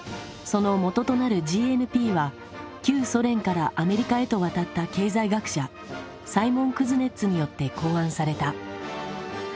そのもととなるＧＮＰは旧ソ連からアメリカへと渡った経済学者サイモン・クズネッツによって考案された。